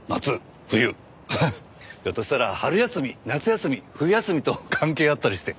ハハッひょっとしたら春休み夏休み冬休みと関係あったりして。